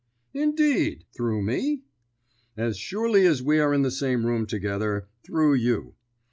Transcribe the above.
"Indeed! Through me?" "As surely as we are in the same room together, through you.